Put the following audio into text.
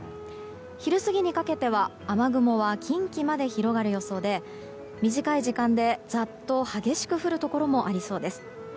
昼過ぎにかけては雨雲は近畿まで広がる予想で短い時間でザッと激しく降るところもありそうです。